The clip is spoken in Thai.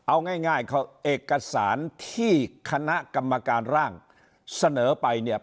เอาง่ายเขาเอกสารที่คณะกรรมการร่างเสนอไปเนี่ย